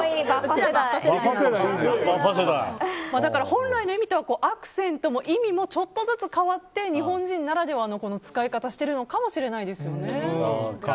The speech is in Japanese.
本来の意味とはアクセントも意味もちょっとずつ変わって日本人ならではの使い方をしてるのかもしれないですよね。